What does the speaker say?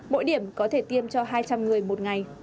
mỗi điểm có thể tiêm cho hai trăm linh người một ngày